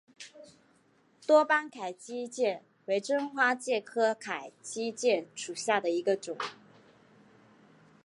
多斑凯基介为真花介科凯基介属下的一个种。